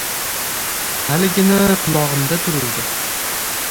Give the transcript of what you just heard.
Haligina qulog‘imda turuvdi.